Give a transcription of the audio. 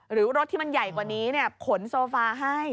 หรือรถที่มันใหญ่กว่านี้ขนโซฟาให้